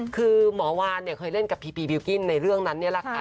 คือหมอวานเนี่ยเคยเล่นกับพีพีบิลกิ้นในเรื่องนั้นนี่แหละค่ะ